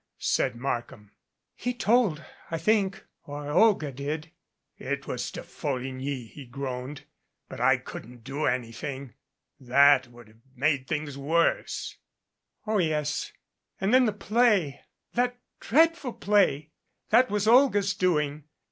said Markham. "He told I think or Olga did" "It was De Folligny," he groaned. "But I couldn't do anything. That would have made things worse." "Oh, yes and then the play that dreadful play ! That was Olga's doing.